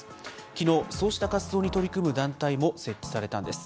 きのう、そうした活動に取り組む団体も設置されたんです。